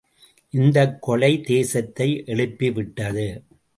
இந்தக் கொலை, தேசத்தை எழுப்பி விட்டது.